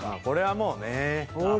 これはもうね。